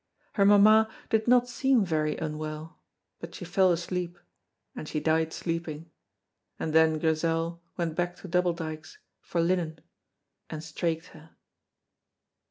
Her mamma did not seem very unwell, but she fell asleep, and she died sleeping, and then Grizel went back to Double Dykes for linen and straiked her.